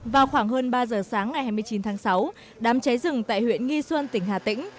vào khoảng hơn ba giờ sáng ngày hai mươi chín tháng sáu đám cháy rừng tại huyện nghi xuân tỉnh hà tĩnh